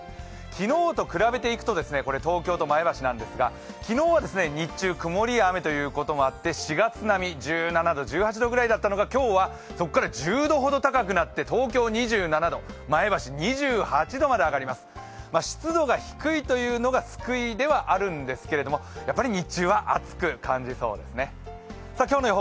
昨日と比べていくとこれは東京と前橋なんですが昨日は日中、曇りや雨ということもあって４月並み１７度、１８度だったのが、今日はそこから１０度くらい高くなって東京２７度、前橋２８度まで上がります湿度が低いというのが救いであるんですけれども、やっぱり日中は暑く感じそうですね。